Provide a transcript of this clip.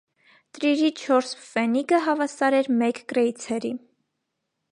Տրիրի չորս պֆենիգը հավասար էր մեկ կրեյցերի։